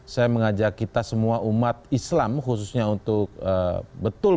saya mengajak kita semua umat islam khususnya untuk betul